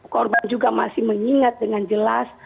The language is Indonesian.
korban juga masih mengingat dengan jelas